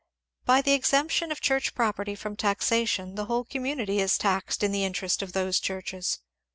By the exemption of Church property from taxation the whole community is taxed in the interest of those churches.